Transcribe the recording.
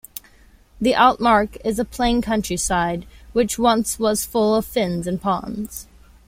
The Altmark is a plain countryside, which once was full of fens and ponds.